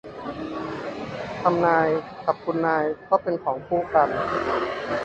ทำนาย กับคุณนายก็เป็นของคู่กัน